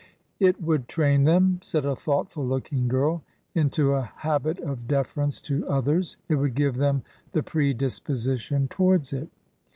" It would train them," said a thoughtful looldng girl, " into a habit of deference to others :— it would give them the predisposition towards it."